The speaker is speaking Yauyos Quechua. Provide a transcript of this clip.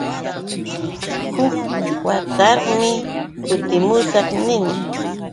Huk watarqmi kutimushaq ninmi.